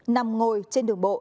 nằm ngồi trên đường bộ